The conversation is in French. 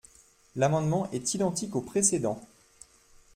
L’amendement est identique au précédent.